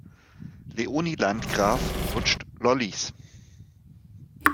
Leonie Landgraf lutscht Lollis.